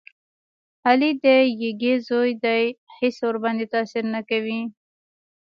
علي د یږې زوی دی هېڅ ورباندې تاثیر نه کوي.